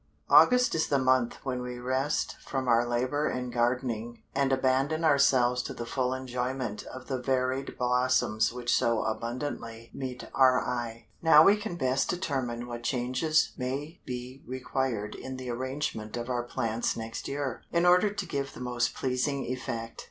August is the month when we rest from our labor in gardening, and abandon ourselves to the full enjoyment of the varied blossoms which so abundantly meet our eye. Now we can best determine what changes may be required in the arrangement of our plants next year, in order to give the most pleasing effect.